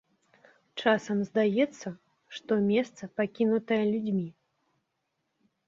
Часам здаецца, што месца пакінутае людзьмі.